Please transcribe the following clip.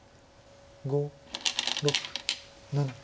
５６７。